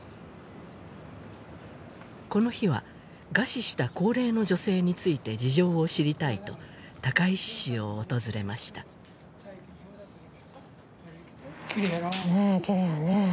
この日は餓死した高齢の女性について事情を知りたいと高石市を訪れましたねえ